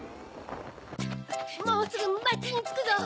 もうすぐまちにつくぞ。